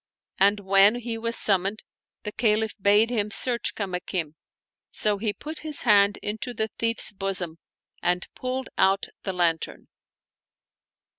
And when he was summoned the Caliph bade him search Kamakim ; so he put his hand into the thief's bosom and pulled out the lantern.